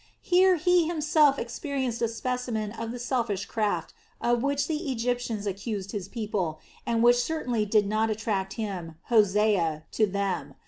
Here he himself experienced a specimen of the selfish craft of which the Egyptians accused his people, and which certainly did not attract him, Hosea, to them.